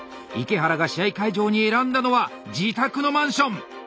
池原が試合会場に選んだのは自宅のマンション。